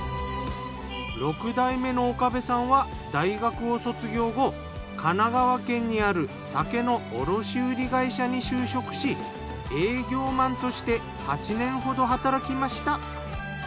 ６代目の岡部さんは大学を卒業後神奈川県にある酒の卸売会社に就職し営業マンとして８年ほど働きました。